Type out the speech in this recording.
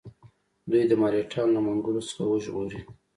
دوی د مرهټیانو له منګولو څخه وژغوري.